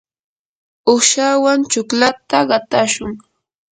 uqshawan chuklata qatashun.